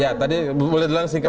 ya tadi boleh dilangsingkan